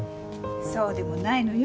そうでもないのよ。